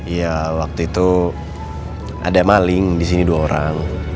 iya waktu itu ada maling disini dua orang